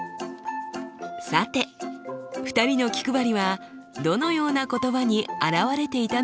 さて２人の気配りはどのような言葉に表れていたのでしょうか？